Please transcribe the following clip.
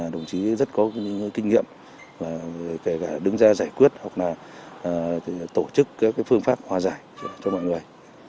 đồng chí rất có những kinh nghiệm kể cả đứng ra giải quyết hoặc là tổ chức các phương pháp hòa giải cho mọi người